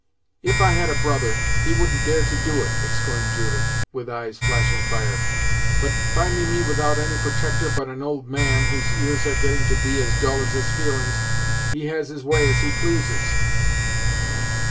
"If I had a brother, he wouldn't dare to do it!" exclaimed Judith, with eyes flashing fire. "But, finding me without any protector but an old man, whose ears are getting to be as dull as his feelings, he has his way as he pleases!"